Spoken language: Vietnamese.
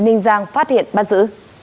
công an huyện ninh giang phát hiện bắt giữ